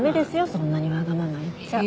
そんなにわがまま言っちゃ